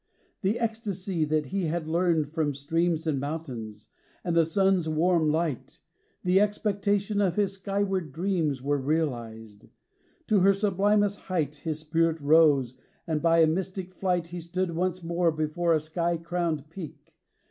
XXV. The ecstacy that he had learned from streams And mountains, and the sun's warm light, The expectation of his skyward dreams Were realized: to her sublimest height His spirit rose, and by a mystic flight He stood once more before a sky crowned peak.